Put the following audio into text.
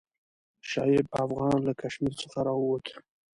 شعیب افغان له کشمیر څخه راووت.